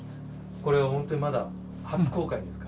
これは本当にまだ初公開ですから。